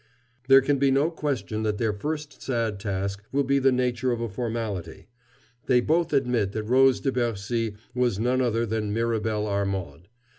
There can be no question that their first sad task will be in the nature of a formality. They both admit that Rose de Bercy was none other than Mirabel Armaud.